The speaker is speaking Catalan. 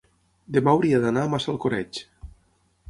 demà hauria d'anar a Massalcoreig.